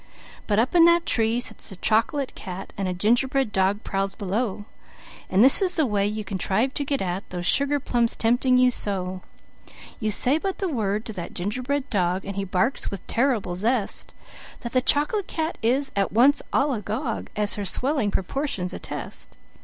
But up in that tree sits a chocolate cat, And a ginger bread dog prowls below And this is the way you contrive to get at Those sugar plums tempting you so: You say but the word to that gingerbread dog And he barks with such a terrible zest That the chocolate cat is at once all agog, As her swelling proportions attest.